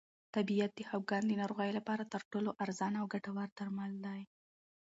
طبیعت د خپګان د ناروغۍ لپاره تر ټولو ارزانه او ګټور درمل دی.